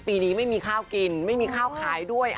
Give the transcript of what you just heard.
ปีนี้ไม่มีข้าวกินไม่มีข้าวขายด้วย